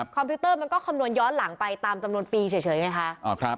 พิวเตอร์มันก็คำนวณย้อนหลังไปตามจำนวนปีเฉยไงคะ